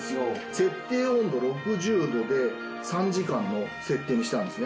設定温度６０度で３時間の設定にしたんですね。